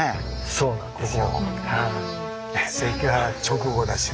そうなんですよ。